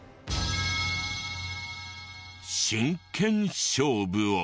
真剣勝負を。